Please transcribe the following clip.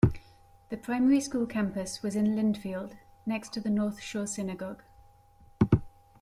The primary school campus was in Lindfield, next to the North Shore Synagogue.